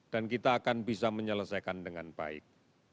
dan kita akan bisa menyelesaikan dengan baik